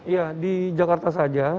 ya di jakarta saja